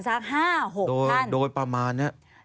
๕๖ท่าน